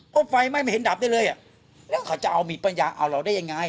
เพราะไฟไหม้ไม่เห็นดับได้เลยอ่ะแล้วเขาจะเอามีดปัญญาเอาเราได้ยังไง